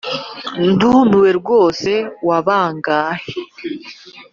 ndumiwe rwose wabagahe